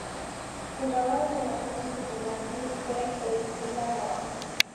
Jugaba de delantero y su primer club fue el Vila Nova.